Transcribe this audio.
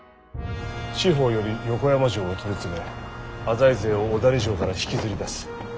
四方より横山城を取り詰め浅井勢を小谷城から引きずり出す。